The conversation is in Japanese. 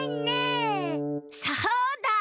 そうだ！